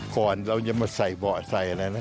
ก่อนเราจะมาใส่เบาะใส่อะไรนะ